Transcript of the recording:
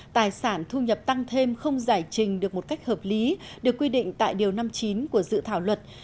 tài sản thu nhập tăng thêm không giải trình được một cách hợp lý được quy định tại điều năm mươi chín của dự thảo luật